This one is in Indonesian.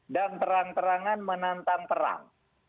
dan terang terangan menantang perang